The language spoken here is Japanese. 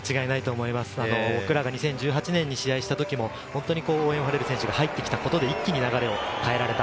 僕らが２０１８年に試合をした時も、オーウェン・ファレル選手が入ってきたことで一気に流れが変えられた。